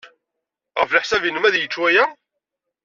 Ɣef leḥsab-nnem, ad yečč waya?